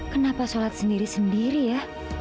kenapa sholat sendiri sendiri ya